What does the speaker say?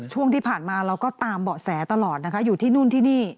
ช่วงที่ผ่านมาเราก็ตามเบาะแสตลอดนะคะอยู่ที่นู่นที่นี่